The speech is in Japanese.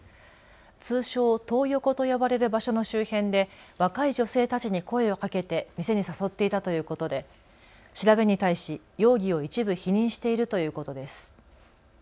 通称トー横と呼ばれる場所の周辺で若い女性たちに声をかけて店に誘っていたということで調べに対し容疑を一部否認しているということです。